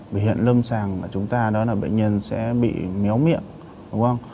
bởi hiện lâm sàng của chúng ta đó là bệnh nhân sẽ bị méo miệng